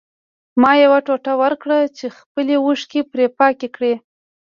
ما یو ټوټه ورکړه چې خپلې اوښکې پرې پاکې کړي